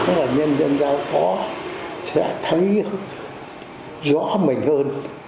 đó là nhân dân giao phó sẽ thấy rõ mình hơn